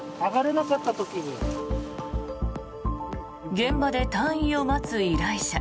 現場で隊員を待つ依頼者。